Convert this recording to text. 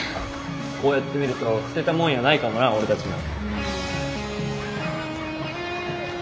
こうやって見ると捨てたもんやないかもな俺たちも。